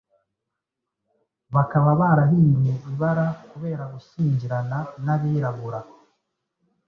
bakaba barahinduye ibara kubera gushyingirana n'Abirabura.